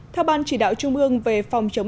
theo ban chỉ đạo trung ương về phòng chống